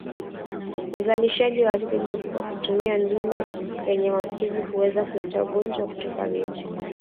Uzalishaji wa asili kwa kutumia dume lenye maambukizi huweza kuleta ugonjwa wa kutupa mimba